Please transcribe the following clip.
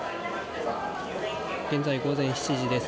現在、午前７時です。